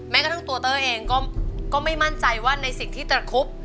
กระทั่งตัวเต้ยเองก็ไม่มั่นใจว่าในสิ่งที่ตระคุบ